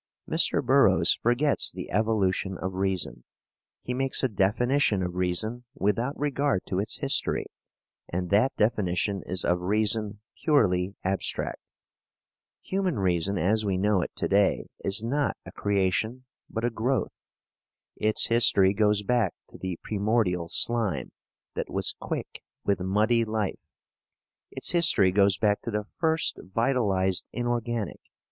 Mr. Burroughs forgets the evolution of reason. He makes a definition of reason without regard to its history, and that definition is of reason purely abstract. Human reason, as we know it to day, is not a creation, but a growth. Its history goes back to the primordial slime that was quick with muddy life; its history goes back to the first vitalized inorganic.